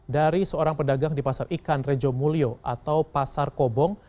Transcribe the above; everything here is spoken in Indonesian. dari seorang pedagang di pasar ikan rejo mulyo atau pasar kobong